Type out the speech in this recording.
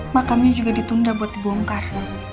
makamnya juga ditunda buat dibongkar